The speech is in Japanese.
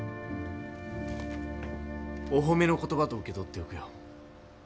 お褒めの言葉と受け取っておくよ。